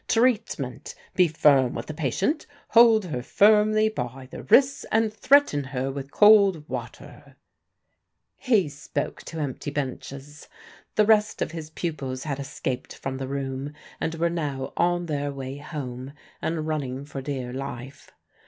"Treatment: Be firm with the patient, hold her firmly by the wrists and threaten her with cold water " He spoke to empty benches. The rest of his pupils had escaped from the room and were now on their way home, and running for dear life.